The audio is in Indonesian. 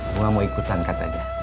bunga mau ikutan katanya